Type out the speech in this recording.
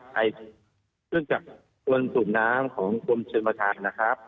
ในเรื่องจากกรมสูบน้ำของกรมโชรประทานนะครับ